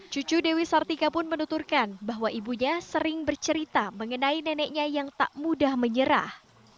cucu dewi sartika pun menuturkan bahwa ibunya sering bercerita mengenai neneknya yang tak mudah menyerah